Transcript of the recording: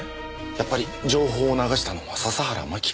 やっぱり情報を流したのは笹原真紀か。